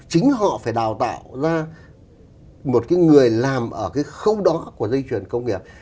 chính họ phải đào tạo ra một cái người làm ở cái khâu đó của dây chuyển công nghiệp